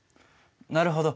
なるほど。